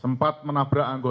sempat menabrak anggota